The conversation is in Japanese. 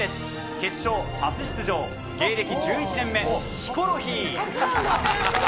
決勝初出場、芸歴１１年目、ヒコロヒー。